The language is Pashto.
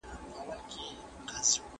سوي دي؛ خو له سیاسي اړخه بشپړ واک او خپلواکي